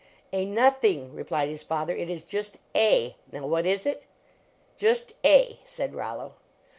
A nothing," replied his father, "it is j;i t A. Now, what is it? " "Just A," said Rollo.